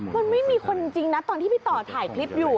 มันไม่มีคนจริงนะตอนที่พี่ต่อถ่ายคลิปอยู่